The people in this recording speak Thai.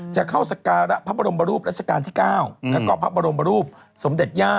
จะเข้าสการะพระบรมรูปรัชกาลที่๙แล้วก็พระบรมรูปสมเด็จย่า